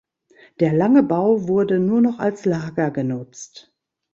Der „Lange Bau“ wurde nur noch als Lager genutzt.